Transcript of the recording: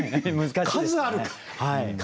数あるから。